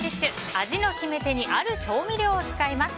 味の決め手にある調味料を使います。